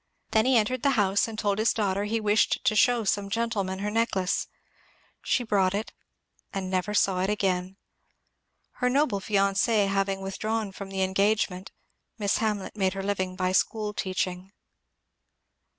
Then he entered the house and told his daughter he wished to show some gentlemen her necklace. She brought it, and never saw it again. Her noble fianc^ having withdrawn from the engagement. Miss Hamlet made her living by school teaching.